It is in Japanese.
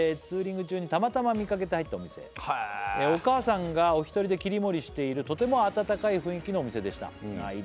「ツーリング中にたまたま見かけて入ったお店」「お母さんがお一人で切り盛りしている」「とても温かい雰囲気のお店でした」